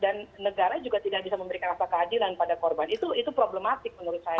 dan negara juga tidak bisa memberikan rasa keadilan pada korban itu problematik menurut saya